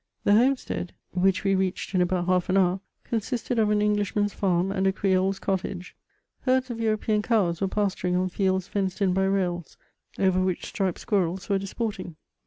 The homestead, which we reached in about half an hour, consisted of an Fnglishman's farm and a Creole's cottage. Herds of European cows were pasturing on 6e]ds fenced in by rails, over which striped squirrels were dis porting.